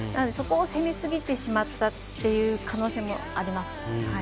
そこを攻めすぎてしまったという可能性もあります。